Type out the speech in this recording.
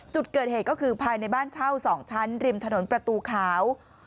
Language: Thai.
จุดเกิดเหตุก็คือภายในบ้านเช่า๒ชั้นริมถนนประตูขาว